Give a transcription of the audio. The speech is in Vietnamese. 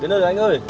đến nơi rồi anh ơi